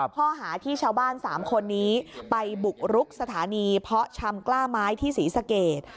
ข้อหาที่ชาวบ้าน๓คนนี้ไปบุกรุกสถานีเพาะชำกล้าไม้ที่ศรีสเกต